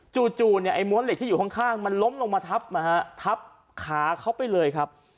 จู่ม้วนเหล็กที่อยู่ข้างมันล้มลงมาทับขาเข้าไปเลยครับ